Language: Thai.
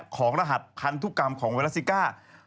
ของรหัสพันธุกรรมของเวรัสซิก้า